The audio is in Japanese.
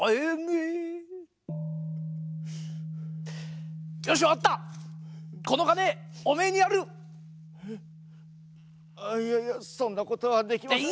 えっあっいやいやそんなことはできません。